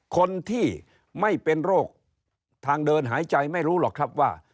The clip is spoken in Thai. คนที่ไม่เป็นโรคทางเดินหายใจไม่รู้หรอกครับว่า